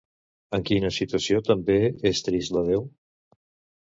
En quina situació també és trist l'adeu?